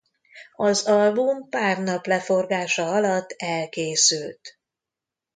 Az album pár nap leforgása alatt elkészült.